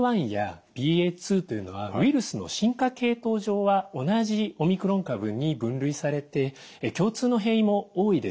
ＢＡ．１やＢＡ．２というのはウイルスの進化系統上は同じオミクロン株に分類されて共通の変異も多いです。